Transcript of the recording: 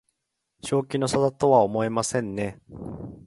正気の沙汰とは思えませんね